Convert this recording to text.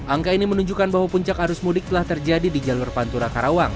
angka ini menunjukkan bahwa puncak arus mudik telah terjadi di jalur pantura karawang